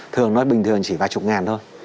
thường nói bình thường chỉ vài chục ngàn thôi